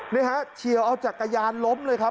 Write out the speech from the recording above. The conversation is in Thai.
นี่ฮะเฉียวเอาจักรยานล้มเลยครับ